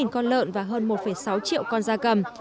hai trăm một mươi tám con lợn và hơn một sáu triệu con gia cầm